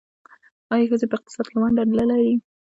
آیا ښځې په اقتصاد کې ونډه نلري؟